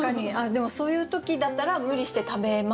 でもそういう時だったら無理して食べます？